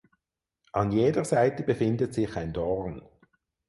An jeder Seite befindet sich ein Dorn.